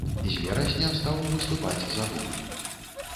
З верасня стаў выступаць за дубль.